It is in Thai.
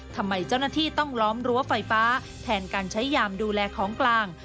ทำไมเจ้าหน้าที่ต้องล้อมรั้วไฟฟ้าแทนการใช้ยามดูแลของกลาง